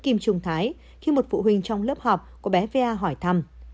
nguyễn kim trung thái khi một phụ huynh trong lớp họp của bé va hỏi thăm